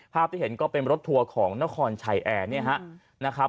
ภาพที่เห็นก็เป็นรถทัวร์ของนครชัยแอร์นะครับ